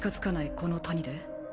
この谷で？